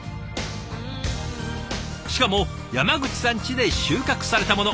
しかも山口さんちで収穫されたもの。